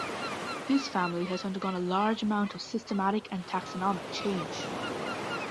This family has undergone a large amount of systematic and taxonomic change.